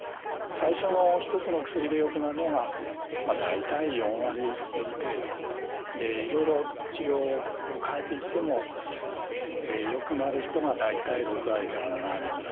最初の１つの薬でよくなるのが大体４割程度。でいろいろ治療を変えていってもよくなる人が大体６割から７割ぐらい。